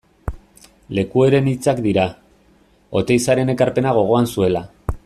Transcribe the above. Lekueren hitzak dira, Oteizaren ekarpena gogoan zuela.